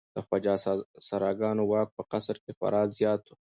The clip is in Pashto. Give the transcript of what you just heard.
د خواجه سراګانو واک په قصر کې خورا زیات و.